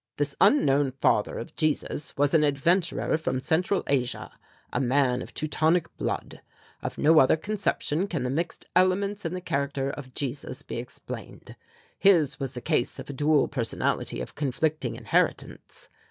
This unknown father of Jesus was an adventurer from Central Asia, a man of Teutonic blood. On no other conception can the mixed elements in the character of Jesus be explained. His was the case of a dual personality of conflicting inheritance.